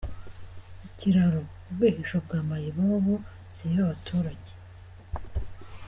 Ikiraro, ubwihisho bwa Mayibobo ziba abaturage